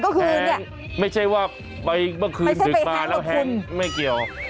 ก็คือไม่ใช่ว่าไปเมื่อคืนดึกมาแล้วแห้งไม่เกี่ยว